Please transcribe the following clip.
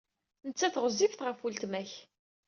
Nettat ɣezzifet ɣef weltma-k.